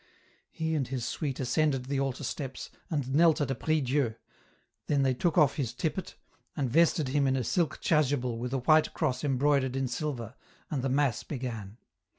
He and his suite ascended the altar steps, and knelt at a prie Dieu, then they took off his tippet, and vested him in a silk chasuble with a white cross embroidered in silver, and the mass began.